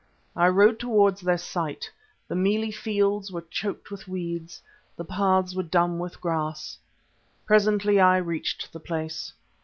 I rode towards their site; the mealie fields were choked with weeds, the paths were dumb with grass. Presently I reached the place.